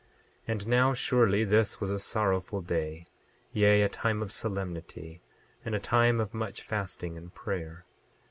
28:6 And now surely this was a sorrowful day; yea, a time of solemnity, and a time of much fasting and prayer.